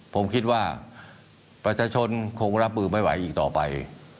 ผมคิดว่าประชาชนคงรับมือไม่ไหวอีกต่อไป